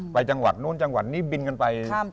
จังหวัดนู้นจังหวัดนี้บินกันไป